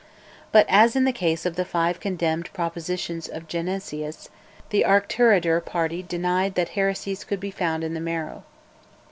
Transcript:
But as in the case of the five condemned propositions of Jansenius the Auchterarder party denied that the heresies could be found in the Marrow.